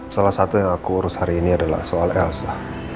salah satu yang aku urus hari ini adalah soal elsa